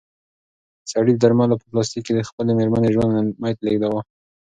سړي د درملو په پلاستیک کې د خپلې مېرمنې د ژوند امید لېږداوه.